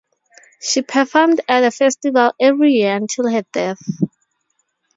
She performed at the festival every year until her death.